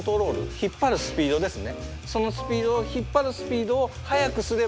引っ張るスピードですね。